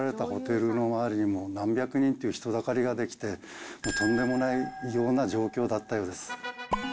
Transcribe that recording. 泊まられたホテルの周りにも何百人という人だかりが出来て、とんでもない異常な状況だったようです。